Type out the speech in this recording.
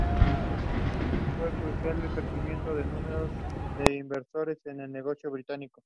Fue crucial el crecimiento del número de inversores en los negocios británicos.